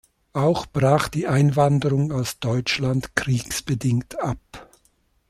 Auch brach die Einwanderung aus Deutschland kriegsbedingt ab.